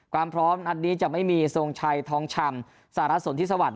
ความพร้อมนัดนี้จะไม่มีทรงชัยทองชำสหรัฐสนทิสวรรค